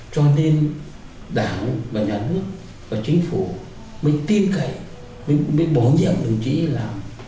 cho nên đảng và nhà nước và chính phủ mới tiêm cậy mới bổ nhiệm đồng chí làm